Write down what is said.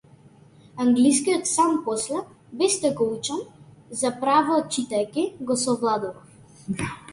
Англискиот сам после, без да го учам, заправо читајќи, го совладував.